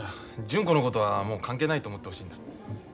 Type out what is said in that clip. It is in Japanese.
純子のことはもう関係ないと思ってほしいんだ。